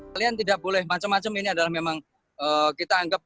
kalian tidak boleh macam macam ini adalah memang kita anggap